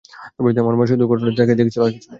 আমার মা শুধু ঘটনাটি তাকিয়ে দেখছিল।